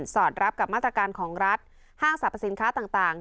อดรับกับมาตรการของรัฐห้างสรรพสินค้าต่าง